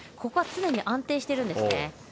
ここは常に安定しているんですね。